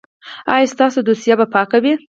ایا ستاسو دوسیه به پاکه وي؟